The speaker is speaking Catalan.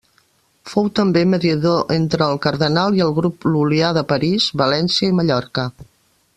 Fou també mediador entre el cardenal i el grup lul·lià de París, València i Mallorca.